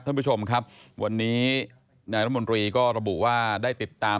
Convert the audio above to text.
ท่านผู้ชมครับวันนี้นายรัฐมนตรีก็ระบุว่าได้ติดตาม